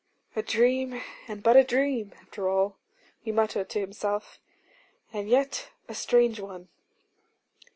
'A dream, and but a dream, after all,' he muttered to himself; 'and yet a strange one.